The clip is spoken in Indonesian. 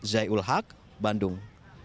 zaiul haq bandung